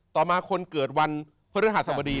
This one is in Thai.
ต่อมาคนเกิดวันเพื่อทหารสมดี